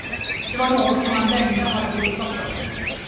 Det var något, som han länge hade fruktat för.